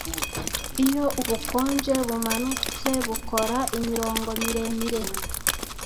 iyo ubukonje bumanutse bukora imirongo miremire